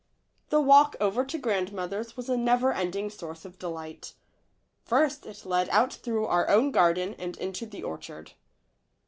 The walk over to grandmother's was a never ending source of delight. First, it led out through our own garden and into the orchard.